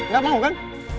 gak mau kan